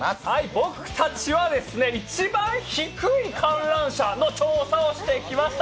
僕たちはですね、一番低い観覧車の調査をしてきました。